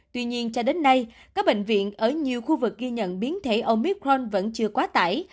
tuy nhiên cho đến nay các bệnh viện ở nhiều khu vực ghi nhận biến thể omicron vẫn chưa quá tải